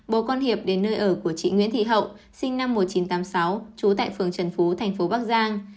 bố con hiệp đến nơi ở của chị nguyễn thị hậu sinh năm một nghìn chín trăm tám mươi sáu trú tại phường trần phú thành phố bắc giang